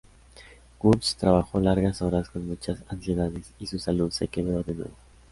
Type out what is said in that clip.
Woods trabajó largas horas con muchas ansiedades, y su salud se quebró de nuevo.